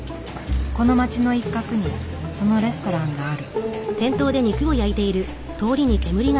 この街の一角にそのレストランがある。